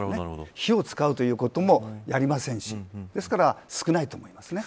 火を使うということもありませんしですから、少ないと思いますね。